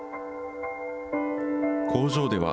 工場では、